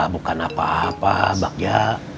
bukan apa apa bagja